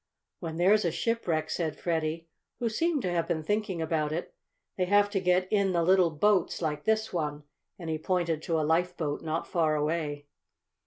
"When there's a shipwreck," said Freddie, who seemed to have been thinking about it, "they have to get in the little boats, like this one," and he pointed to a lifeboat not far away.